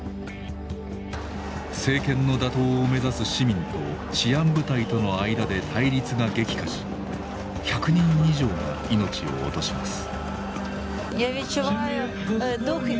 政権の打倒を目指す市民と治安部隊との間で対立が激化し１００人以上が命を落とします。